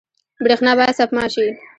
برښنا باید سپما شي